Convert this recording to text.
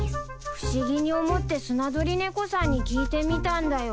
不思議に思ってスナドリネコさんに聞いてみたんだよ。